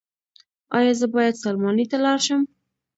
ایا زه باید سلماني ته لاړ شم؟